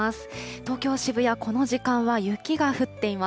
東京・渋谷、この時間は雪が降っています。